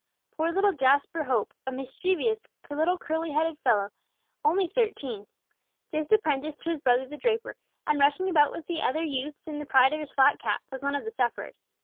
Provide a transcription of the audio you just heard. Poor little Jasper Hope, a mischievous little curly headed idle fellow, only thirteen, just apprenticed to his brother the draper, and rushing about with the other youths in the pride of his flat cap, was one of the sufferers.